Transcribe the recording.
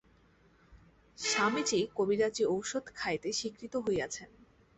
স্বামীজী কবিরাজী ঔষধ খাইতে স্বীকৃত হইয়াছেন।